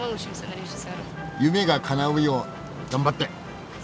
夢がかなうよう頑張って。